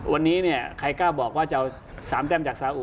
วันนี้เนี่ยใครกล้าบอกว่าจะเอา๓แต้มจากสาอุ